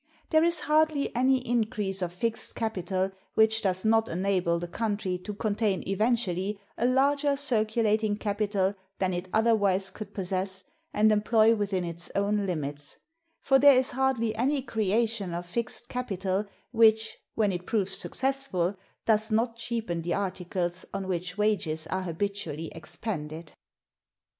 There is hardly any increase of fixed capital which does not enable the country to contain eventually a larger circulating capital than it otherwise could possess and employ within its own limits; for there is hardly any creation of fixed capital which, when it proves successful, does not cheapen the articles on which wages are habitually expended.